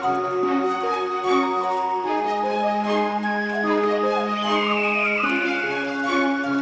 terima kasih mas